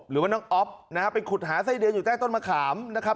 หรือว่าน้องอ๊อฟนะฮะไปขุดหาไส้เดือนอยู่ใต้ต้นมะขามนะครับ